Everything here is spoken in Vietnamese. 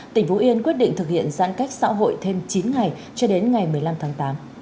tỉnh phú yên quyết định thực hiện giãn cách xã hội thêm chín ngày cho đến ngày một mươi năm tháng tám